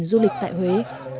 du lịch tại huế